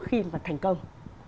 khi mà thành công